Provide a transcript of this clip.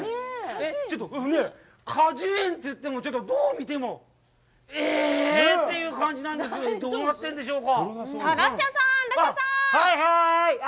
えっ、ちょっと果樹園と言っても、どう見ても、ええっ！？という感じなんですけどどうなってるんでしょうか！？